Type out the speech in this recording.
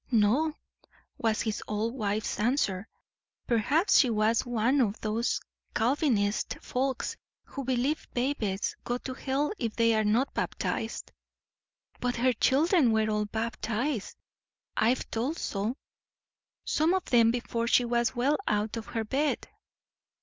"No," was his old wife's answer. "Perhaps she was one of those Calvinist folks who believe babies go to hell if they are not baptised." "But her children were all baptised. I've been told so; some of them before she was well out of her bed.